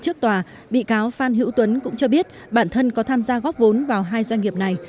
trước tòa bị cáo phan hữu tuấn cũng cho biết bản thân có tham gia góp vốn vào hai doanh nghiệp này